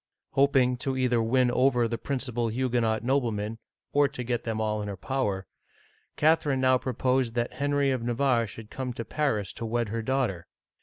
Hoping either to win over the principal Huguenot noble men, or to get them all in her power, Catherine now pro posed that Henry of Navarre should come to Paris to wed her daughter.